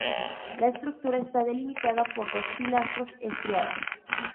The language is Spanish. La estructura está delimitada por dos pilastras estriadas.